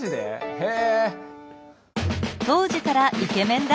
へえ！